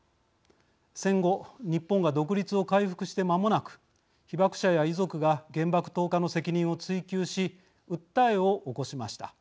戦後、日本が独立を回復してまもなく被爆者や遺族が原爆投下の責任を追及し訴えを起こしました。